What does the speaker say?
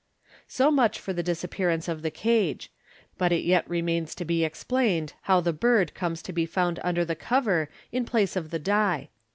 So much for the disappearance of the cage ; but it yet re mains to be explain ed how the bird comes to be found under the cover in place of the die.